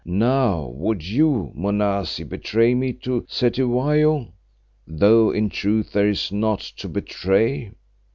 Now would you, Monazi, betray me to Cetywayo—though in truth there is naught to betray?